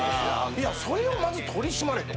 いやそれをまず取り締まれと。